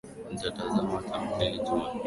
Nitatazama tamthilia Jumapili